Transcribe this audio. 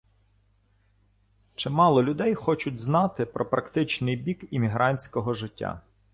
Чимало людей хочуть знати про практичний бік іммігрантського життя